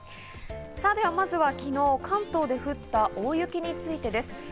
さあ、ではまずは昨日関東で降った大雪についてです。